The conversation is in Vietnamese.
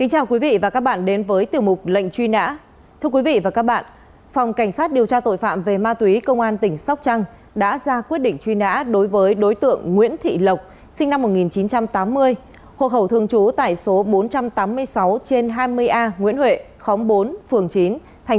hãy đăng ký kênh để ủng hộ kênh của chúng mình nhé